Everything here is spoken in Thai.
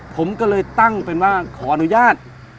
ผมก็เลยตั้งเป็นว่าขออนุญาต